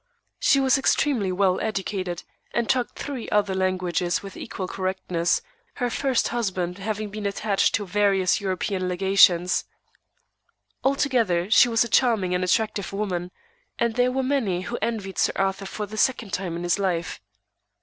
She was extremely well educated, and talked three other languages with equal correctness, her first husband having been attached to various European legations. Altogether, she was a charming and attractive woman, and there were many who envied Sir Arthur for the second time in his life.